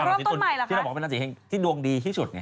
ราคาสีตุนที่เราบอกเหมือนราคาสีตุนที่ดวงดีที่สุดไง